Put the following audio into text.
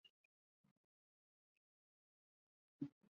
浊绡蝶属是蛱蝶科斑蝶亚科绡蝶族中的一个属。